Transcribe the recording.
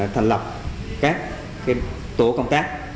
thành lập các tổ công tác